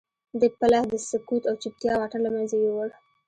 دې پله د سکوت او چوپتیا واټن له منځه یووړ